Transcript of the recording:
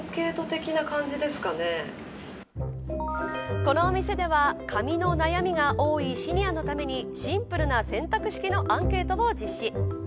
このお店では、髪の悩みが多いシニアのためにシンプルな選択式のアンケートを実施。